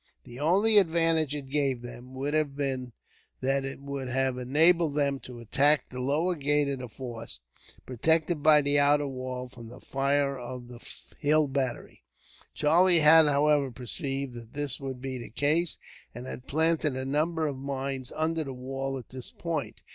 The only advantage it gave them, would have been that it would have enabled them to attack the lower gate of the fort, protected by its outer wall from the fire of the hill battery. Charlie had, however, perceived that this would be the case, and had planted a number of mines under the wall at this point.